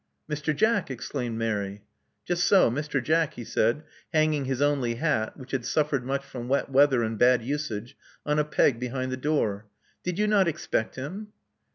Mr. Jack!" exclaimed Mary. Just so, Mr. Jack," he said, hangfing his only hat, which had suffered much from wet weather and bad usage, on a peg behind the door. Did you not expect him?"